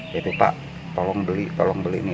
dia bilang pak tolong beli daging sianti